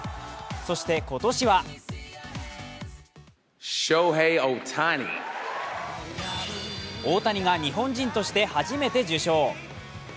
そして今年は大谷が日本人として初めて受賞。